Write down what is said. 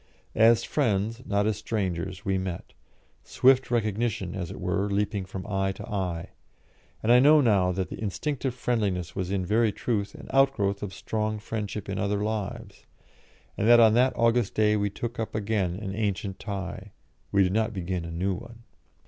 As friends, not as strangers, we met swift recognition, as it were, leaping from eye to eye; and I know now that the instinctive friendliness was in very truth an outgrowth of strong friendship in other lives, and that on that August day we took up again an ancient tie, we did not begin a new one.